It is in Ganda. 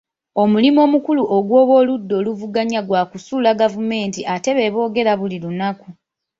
Omulimu omukulu ogw'abooludda oluvuganya gwa kusuula gavumenti ate be boogera buli lunaku.